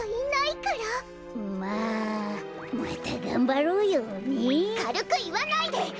かるくいわないで！